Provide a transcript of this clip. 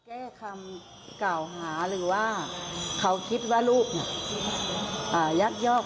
แก้คำกล่าวหาหรือว่าเขาคิดว่าลูกยักยอก